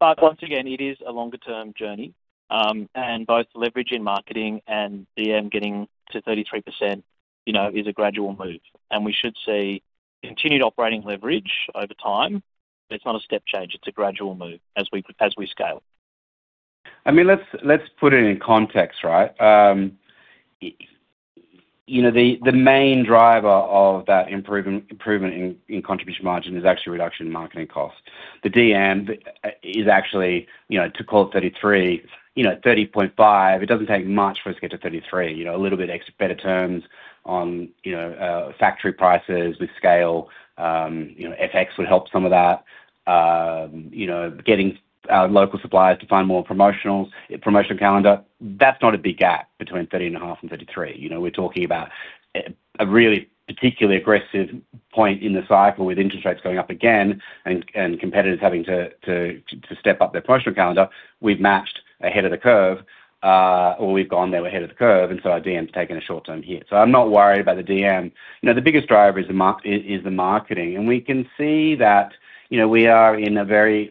[SPEAKER 3] But once again, it is a longer-term journey. Both leverage in marketing and DM getting to 33% is a gradual move. We should see continued operating leverage over time. But it's not a step change. It's a gradual move as we scale.
[SPEAKER 2] I mean, let's put it in context, right? The main driver of that improvement in contribution margin is actually reduction in marketing costs. The DM is actually to call it 33, 30.5. It doesn't take much for us to get to 33. A little bit better terms on factory prices with scale. FX would help some of that. Getting our local suppliers to find more promotional calendar, that's not a big gap between 30.5 and 33. We're talking about a really particularly aggressive point in the cycle with interest rates going up again and competitors having to step up their promotional calendar. We've matched ahead of the curve. Or we've gone there ahead of the curve. And so our DM's taken a short-term hit. So I'm not worried about the DM. The biggest driver is the marketing. We can see that we are in a very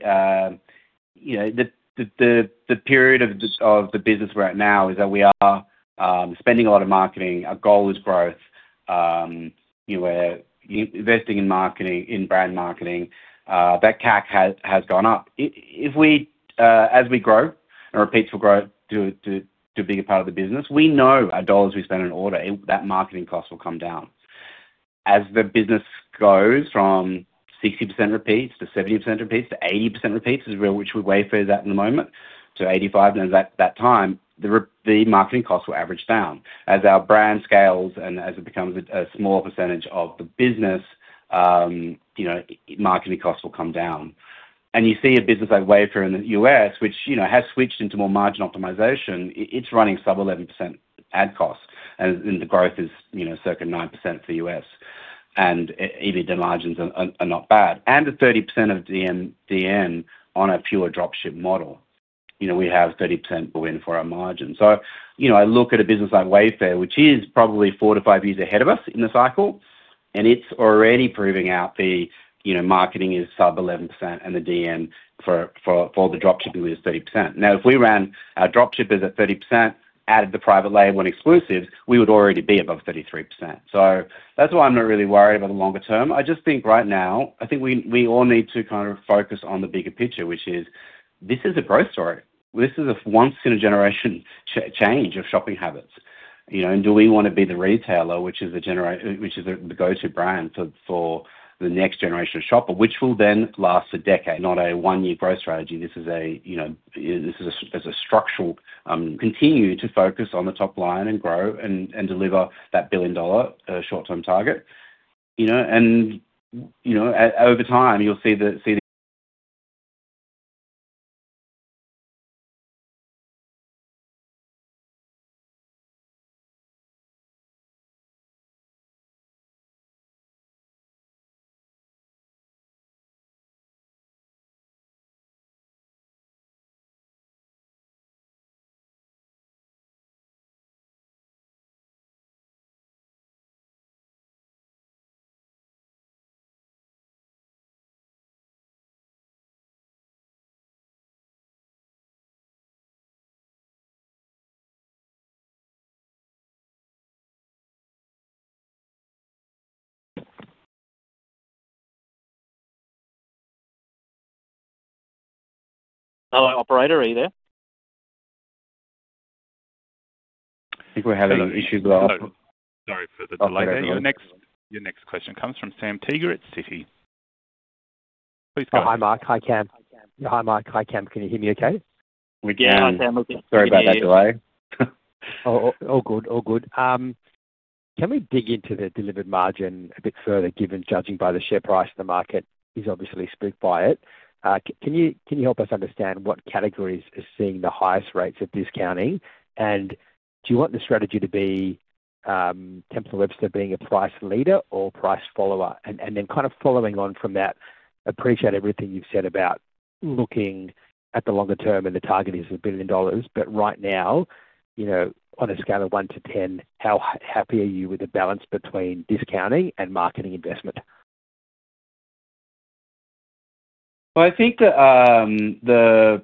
[SPEAKER 2] key period of the business we're at now: that we are spending a lot on marketing. Our goal is growth. We're investing in brand marketing. That CAC has gone up. As we grow and repeats will grow to a bigger part of the business, we know our dollars we spend on acquisition, that marketing cost will come down. As the business goes from 60% repeats to 70% repeats to 80% repeats, which we work our way through that at the moment to 85%, then at that time, the marketing costs will average down. As our brand scales and as it becomes a smaller percentage of the business, marketing costs will come down. You see a business like Wayfair in the U.S., which has switched into more margin optimization. It's running sub-11% ad costs. The growth is circa 9% for the US. Even the margins are not bad. A 30% of DM on a pure dropship model. We have 30% win for our margin. So I look at a business like Wayfair, which is probably 4-5 years ahead of us in the cycle. It's already proving out the marketing is sub-11%. The DM for the dropshipping is 30%. Now, if we ran our dropshippers at 30%, added the Private Label and exclusives, we would already be above 33%. So that's why I'm not really worried about the longer term. I just think right now, I think we all need to kind of focus on the bigger picture, which is this is a growth story. This is a once-in-a-generation change of shopping habits. And do we want to be the retailer, which is the go-to brand for the next generation of shopper, which will then last a decade, not a one-year growth strategy? This is a structural. Continue to focus on the top line and grow and deliver that billion-dollar short-term target. And over time, you'll see the. Hello, operator. Are you there? I think we're having issues with our.
[SPEAKER 1] Sorry for the delay. Your next question comes from Sam Teeger at Citi. Please go.
[SPEAKER 11] Hi, Mark. Hi Cam. Can you hear me okay?
[SPEAKER 3] We can. Sorry about that delay.
[SPEAKER 11] All good. All good. Can we dig into the delivered margin a bit further given, judging by the share price, the market is obviously spooked by it? Can you help us understand what categories is seeing the highest rates of discounting? And do you want the strategy to be Temple & Webster being a price leader or price follower? And then kind of following on from that, appreciate everything you've said about looking at the longer term. And the target is 1 billion dollars. But right now, on a scale of 1 to 10, how happy are you with the balance between discounting and marketing investment?
[SPEAKER 2] Well, I think the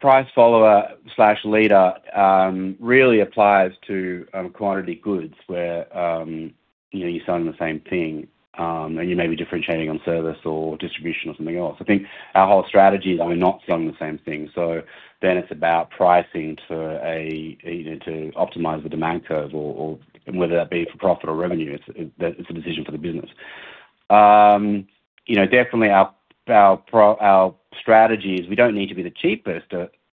[SPEAKER 2] price follower/leader really applies to commodity goods where you're selling the same thing. And you may be differentiating on service or distribution or something else. I think our whole strategy is we're not selling the same thing. So then it's about pricing to optimize the demand curve. And whether that be for profit or revenue, it's a decision for the business. Definitely, our strategy is we don't need to be the cheapest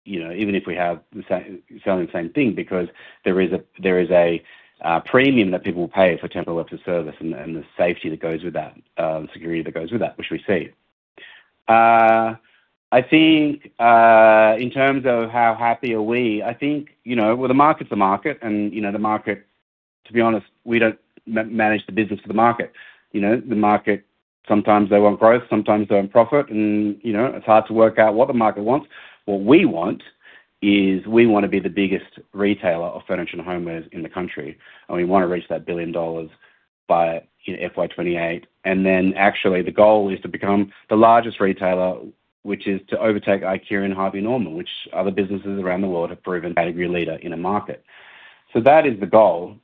[SPEAKER 2] even if we are selling the same thing because there is a premium that people will pay for Temple & Webster service and the safety that goes with that, the security that goes with that, which we see. I think in terms of how happy are we, I think well, the market's the market. And the market, to be honest, we don't manage the business for the market. The market, sometimes they want growth. Sometimes they want profit. It's hard to work out what the market wants. What we want is we want to be the biggest retailer of Furniture and Homewares in the country. We want to reach 1 billion dollars by FY28. Then actually, the goal is to become the largest retailer, which is to overtake IKEA and Harvey Norman, which other businesses around the world have proven. Category leader in a market. That is the goal.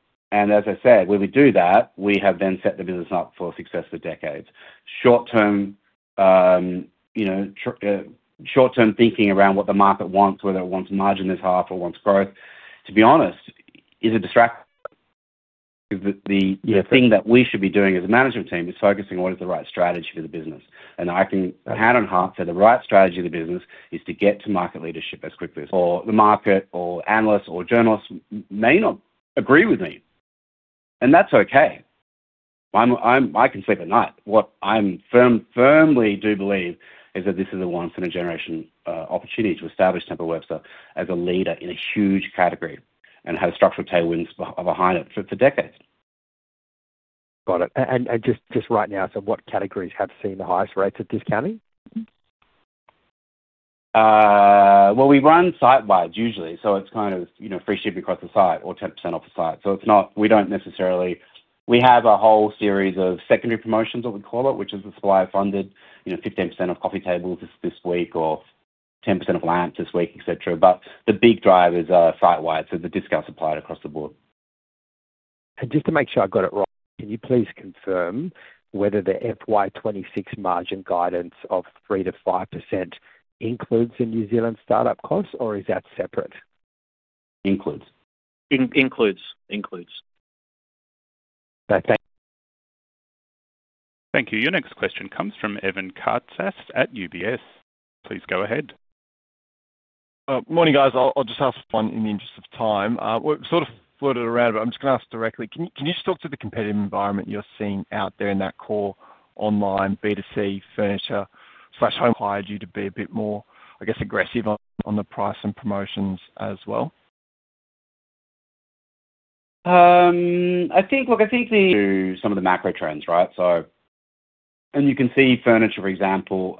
[SPEAKER 2] As I said, when we do that, we have then set the business up for success for decades. Short-term thinking around what the market wants, whether it wants margin as half or wants growth, to be honest, is a distraction. The thing that we should be doing as a management team is focusing on what is the right strategy for the business. I can hand on heart say the right strategy for the business is to get to market leadership as quickly. Or the market or analysts or journalists may not agree with me. That's okay. I can sleep at night. What I firmly do believe is that this is a once-in-a-generation opportunity to establish Temple & Webster as a leader in a huge category and have structural tailwinds behind it for decades.
[SPEAKER 11] Got it. Just right now, so what categories have seen the highest rates of discounting?
[SPEAKER 2] Well, we run site-wide, usually. So it's kind of free shipping across the site or 10% off the site. So we don't necessarily have a whole series of secondary promotions, what we call it, which is the supplier-funded 15% off coffee tables this week or 10% off lamps this week, etc. But the big drive is site-wide. So the discount supplied across the board.
[SPEAKER 11] Just to make sure I've got it right, can you please confirm whether the FY26 margin guidance of 3%-5% includes the New Zealand startup costs? Or is that separate? Includes.
[SPEAKER 2] Includes. Includes.
[SPEAKER 1] Okay. Thank you. Your next question comes from Evan Karatzas at UBS. Please go ahead.
[SPEAKER 12] Morning, guys. I'll just ask one in the interest of time. We sort of floated around it. But I'm just going to ask directly. Can you just talk to the competitive environment you're seeing out there in that core online B2C furniture/home required you to be a bit more, I guess, aggressive on the price and promotions as well?
[SPEAKER 2] Look, I think to some of the macro trends, right? And you can see furniture, for example,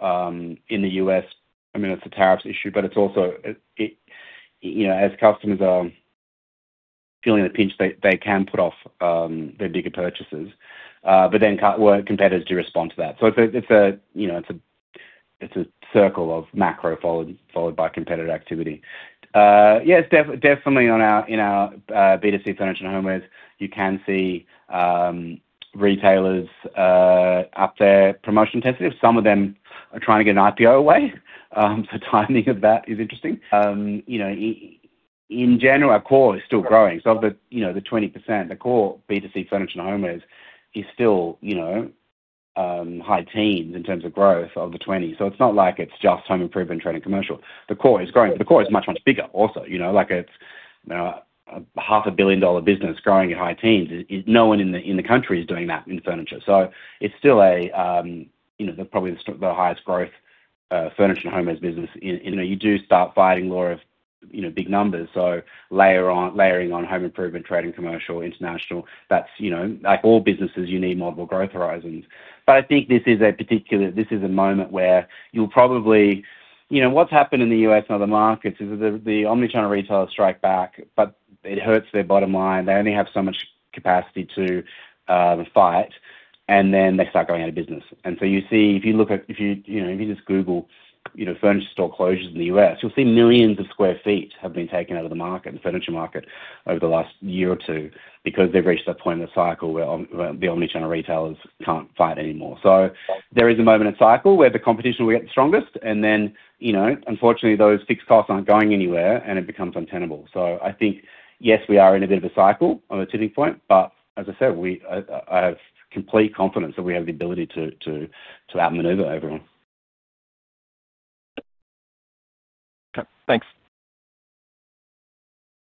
[SPEAKER 2] in the U.S. I mean, it's a tariffs issue. But it's also as customers are feeling the pinch, they can put off their bigger purchases. But then competitors do respond to that. So it's a circle of macro followed by competitive activity. Yeah. Definitely, in our B2C Furniture and Homewares, you can see retailers up there promotion intensive. Some of them are trying to get an IPO away. So timing of that is interesting. In general, our core is still growing. So of the 20%, the core B2C Furniture and Homewares is still high teens in terms of growth of the 20. So it's not like it's just Home Improvement, Trade and Commercial. The core is growing. But the core is much, much bigger also. It's an 500 million dollar business growing at high teens. No one in the country is doing that in furniture. So it's still probably the highest growth Furniture and Homewares business in. You do start fighting law of big numbers. So layering on Home Improvement, Trade and Commercial, international, that's like all businesses, you need multiple growth horizons. But I think this is a particular this is a moment where you'll probably what's happened in the U.S. and other markets is that the omnichannel retailers strike back. But it hurts their bottom line. They only have so much capacity to fight. And then they start going out of business. You see, if you look at if you just Google furniture store closures in the U.S., you'll see millions of square feet have been taken out of the market, the furniture market, over the last year or two because they've reached that point in the cycle where the omnichannel retailers can't fight anymore. So there is a moment in cycle where the competition will get the strongest. And then, unfortunately, those fixed costs aren't going anywhere. And it becomes untenable. So I think, yes, we are in a bit of a cycle at a tipping point. But as I said, I have complete confidence that we have the ability to outmaneuver everyone.
[SPEAKER 12] Okay. Thanks.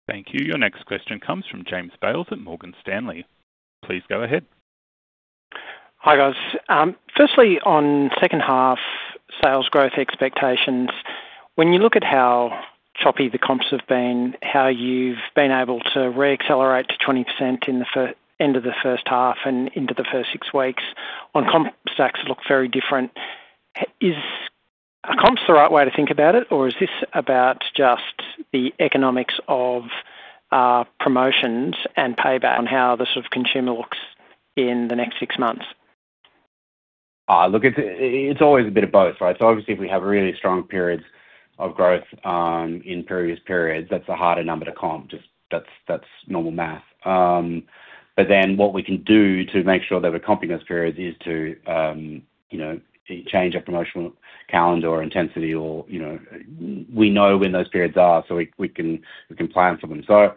[SPEAKER 1] Thank you. Your next question comes from James Bales at Morgan Stanley. Please go ahead.
[SPEAKER 13] Hi, guys. Firstly, on second-half sales growth expectations, when you look at how choppy the comps have been, how you've been able to re-accelerate to 20% in the end of the first half and into the first six weeks, on comps, the stocks look very different. Are comps the right way to think about it? Or is this about just the economics of promotions and payback on how the sort of consumer looks in the next six months?
[SPEAKER 2] Look, it's always a bit of both, right? So obviously, if we have really strong periods of growth in previous periods, that's a harder number to comp. That's normal math. But then what we can do to make sure that we're comping those periods is to change our promotional calendar or intensity. Or we know when those periods are. So we can plan for them. So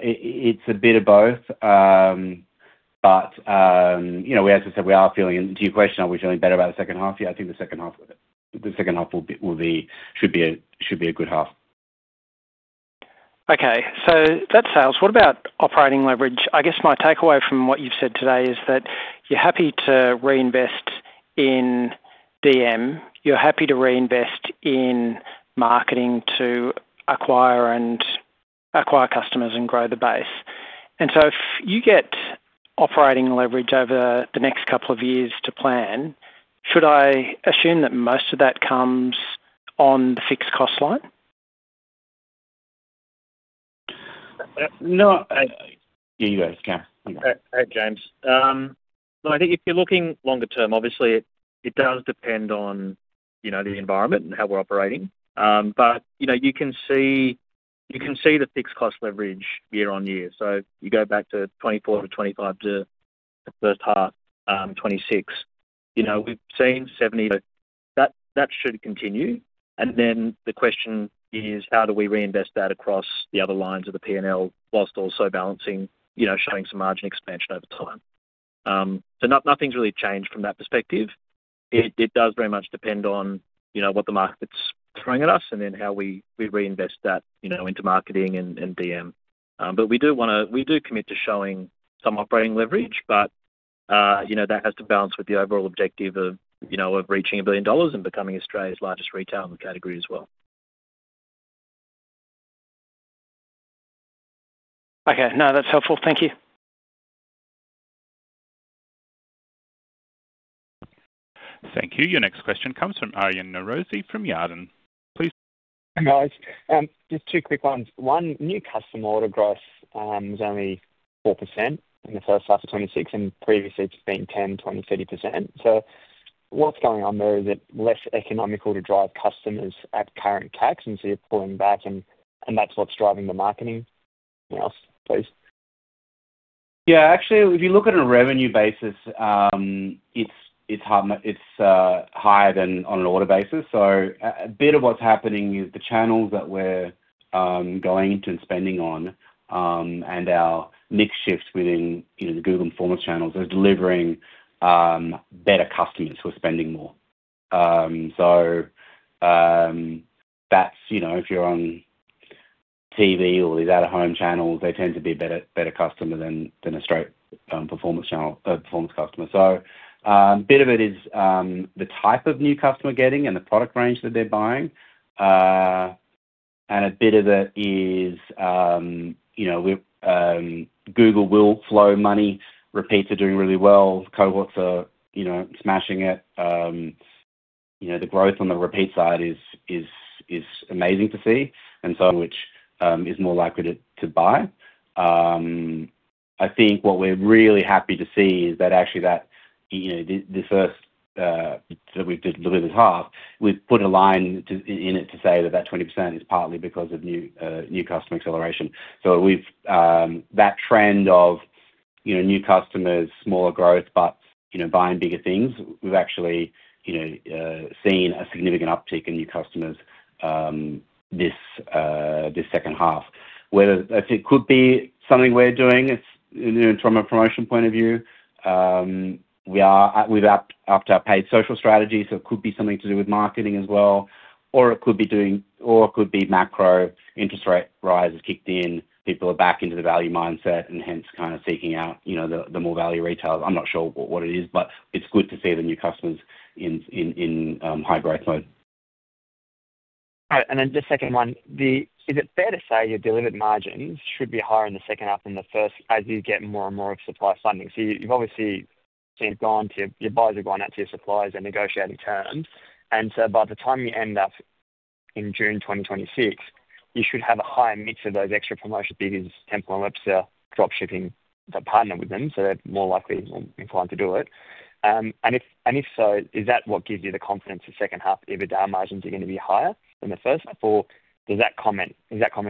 [SPEAKER 2] it's a bit of both. But as I said, to your question, are we feeling better about the second half year? I think the second half will be should be a good half.
[SPEAKER 13] Okay. So that's sales. What about operating leverage? I guess my takeaway from what you've said today is that you're happy to reinvest in DM. You're happy to reinvest in marketing to acquire customers and grow the base. And so if you get operating leverage over the next couple of years to plan, should I assume that most of that comes on the fixed cost line?
[SPEAKER 2] No. Yeah, you guys. Cam. You go.
[SPEAKER 3] Hey, James. Look, I think if you're looking longer term, obviously, it does depend on the environment and how we're operating. But you can see the fixed cost leverage year on year. So you go back to 2024 to 2025 to the first half, 2026, we've seen 70. So that should continue. And then the question is, how do we reinvest that across the other lines of the P&L while also showing some margin expansion over time? So nothing's really changed from that perspective. It does very much depend on what the market's throwing at us and then how we reinvest that into marketing and DM. But we do commit to showing some operating leverage. But that has to balance with the overall objective of reaching 1 billion dollars and becoming Australia's largest retailer in the category as well.
[SPEAKER 13] Okay. No, that's helpful. Thank you.
[SPEAKER 1] Thank you. Your next question comes from Aryan Norozi from Jarden. Please.
[SPEAKER 14] Hi, guys. Just two quick ones. One, new customer order growth was only 4% in the first half of 2026. And previously, it's been 10%, 20%, 30%. So what's going on there is it's less economical to drive customers at current CACs. And so you're pulling back. And that's what's driving the marketing. Anything else, please?
[SPEAKER 2] Yeah. Actually, if you look at a revenue basis, it's higher than on an order basis. So a bit of what's happening is the channels that we're going into and spending on and our mix shift within the Google and Performance channels is delivering better customers who are spending more. So if you're on TV or these at-home channels, they tend to be a better customer than a straight performance customer. So a bit of it is the type of new customer getting and the product range that they're buying. And a bit of it is Google will flow money. Repeats are doing really well. Cohorts are smashing it. The growth on the repeat side is amazing to see. And so, which is more likely to buy. I think what we're really happy to see is that actually this first that we've delivered this half, we've put a line in it to say that that 20% is partly because of new customer acceleration. So that trend of new customers, smaller growth, but buying bigger things, we've actually seen a significant uptick in new customers this second half. I think it could be something we're doing from a promotion point of view. We've upped our paid social strategy. So it could be something to do with marketing as well. Or it could be doing or it could be macro interest rate rise has kicked in. People are back into the value mindset and hence kind of seeking out the more value retailers. I'm not sure what it is. But it's good to see the new customers in high growth mode.
[SPEAKER 14] All right. And then the second one, is it fair to say your delivered margins should be higher in the second half than the first as you get more and more of supply funding? So you've obviously seen you've gone to your buyers have gone out to your suppliers and negotiated terms. And so by the time you end up in June 2026, you should have a higher mix of those extra promotion figures, Temple & Webster dropshipping that partner with them. So they're more likely inclined to do it. And if so, is that what gives you the confidence the second half, if the down margins are going to be higher than the first half? Or is that comment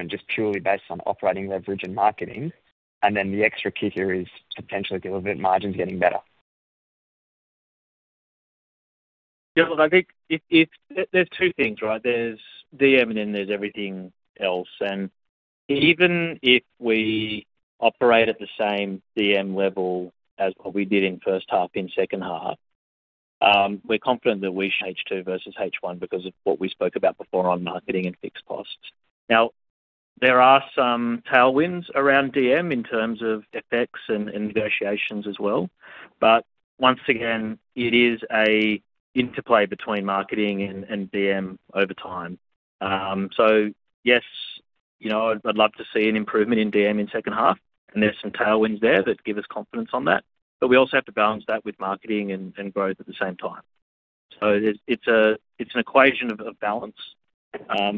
[SPEAKER 14] just purely based on operating leverage and marketing? And then the extra key here is potentially delivered margins getting better.
[SPEAKER 3] Yeah. Look, I think there's two things, right? There's DM. And then there's everything else. And even if we operate at the same DM level as what we did in first half, in second half, we're confident that we. H2 versus H1 because of what we spoke about before on marketing and fixed costs. Now, there are some tailwinds around DM in terms of FX and negotiations as well. But once again, it is an interplay between marketing and DM over time. So yes, I'd love to see an improvement in DM in second half. And there's some tailwinds there that give us confidence on that. But we also have to balance that with marketing and growth at the same time. So it's an equation of balance.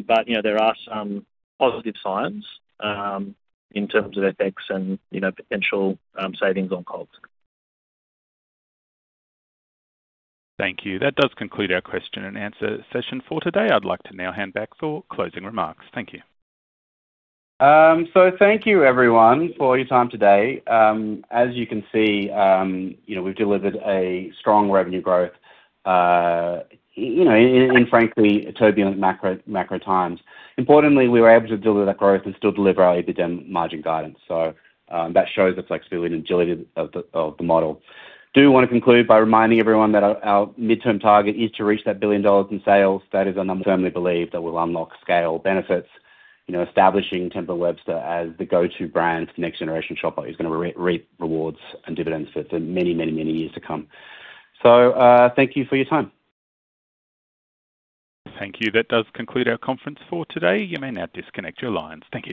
[SPEAKER 3] But there are some positive signs in terms of FX and potential savings on cost.
[SPEAKER 1] Thank you. That does conclude our question and answer session for today. I'd like to now hand back for closing remarks. Thank you.
[SPEAKER 2] So thank you, everyone, for your time today. As you can see, we've delivered a strong revenue growth in, frankly, turbulent macro times. Importantly, we were able to deliver that growth and still deliver our EBITDA margin guidance. So that shows the flexibility and agility of the model. Do want to conclude by reminding everyone that our midterm target is to reach that 1 billion dollars in sales. That is a number. Firmly believe that will unlock scale benefits, establishing Temple & Webster as the go-to brand for the next generation shopper who's going to reap rewards and dividends for many, many, many years to come. So thank you for your time.
[SPEAKER 1] Thank you. That does conclude our conference for today. You may now disconnect your lines. Thank you.